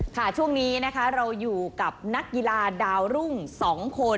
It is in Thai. ช่วงนี้นะคะเราอยู่กับนักกีฬาดาวรุ่ง๒คน